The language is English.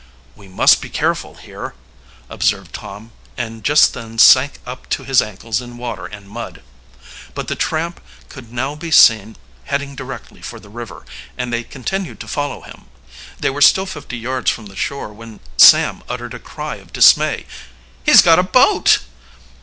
"We must be careful here," observed Tom, and just then sank up to his ankles in water and mud. But the tramp could now be seen heading directly for the river, and they continued to follow him. They were still fifty yards from the shore when Sam uttered a cry of dismay. "He's got a boat!"